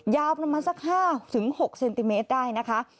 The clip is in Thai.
ยาวประมาณสัก๕๖เซนติเมตรได้นะคะ